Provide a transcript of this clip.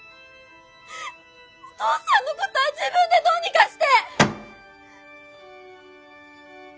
お父さんのことは自分でどうにかして！